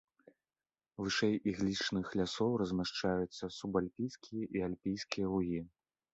Вышэй іглічных лясоў размяшчаюцца субальпійскія і альпійскія лугі.